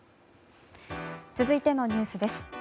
続いてのニュースです。